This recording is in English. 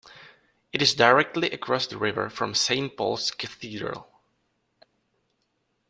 It is directly across the river from Saint Paul's Cathedral.